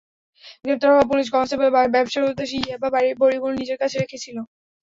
গ্রেপ্তার হওয়া police constable ব্যবসার উদ্দেশ্যে ইয়াবা বড়িগুলো নিজের কাছে রেখেছিলেন।